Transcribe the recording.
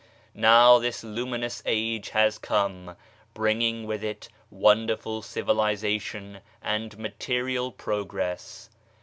Now this luminous age has come, bringing with it wonderful civilization and material progress.